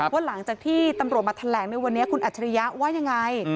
ว่าหลังจากที่ตำรวจมาแถลงในวันนี้คุณอัจฉริยะว่ายังไง